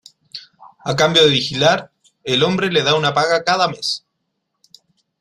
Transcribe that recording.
A cambio de vigilar, el hombre le da una paga cada mes.